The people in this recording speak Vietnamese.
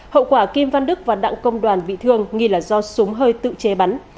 hậu quả kim văn đức và đặng công đoàn bị thương nghi là do súng hơi tự chế bắn